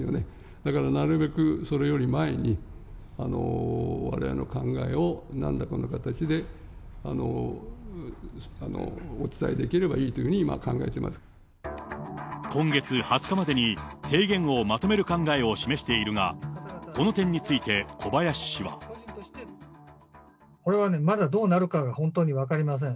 だからなるべくそれより前に、われわれの考えをなんらかの形でお伝えできればいいというふうに今月２０日までに、提言をまとめる考えを示しているが、この点について小林氏は。これはまだどうなるかが本当に分かりません。